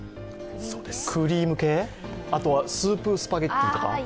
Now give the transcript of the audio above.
クリーム系、あとはスープスパゲッティとか。